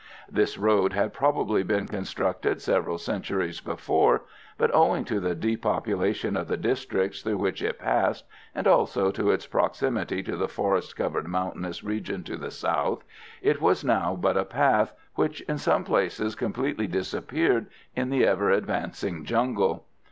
This road had probably been constructed several centuries before, but, owing to the depopulation of the districts through which it passed, and also to its proximity to the forest covered, mountainous region to the south, it was now but a path, which in some places completely disappeared in the ever advancing jungle.